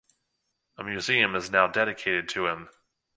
A museum is now dedicated to him.